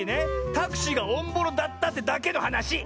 タクシーがおんぼろだったってだけのはなし！